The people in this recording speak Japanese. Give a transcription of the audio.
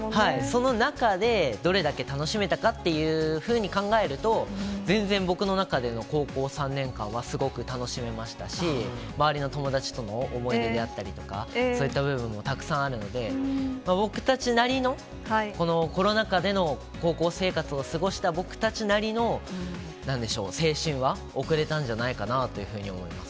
その中でどれだけ楽しめたかというふうに考えると、全然、僕の中での高校３年間はすごく楽しめましたし、周りの友達との思い出であったりとか、そういった部分もたくさんあるので、僕たちなりの、コロナ禍での高校生活を過ごした僕たちなりのなんでしょう、青春は、送れたんじゃないかなというふうに思います。